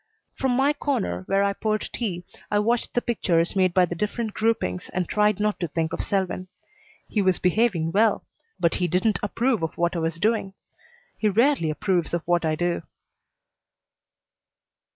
From my corner where I poured tea I watched the pictures made by the different groupings and tried not to think of Selwyn. He was behaving well, but he didn't approve of what I was doing. He rarely approves of what I do.